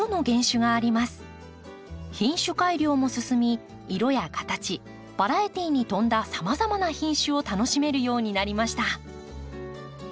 品種改良も進み色や形バラエティーに富んださまざまな品種を楽しめるようになりました。